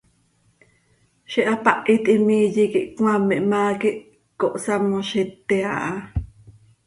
Ziix hapahit him iiye quih cmaam ihmaa quih cohsamoziti aha.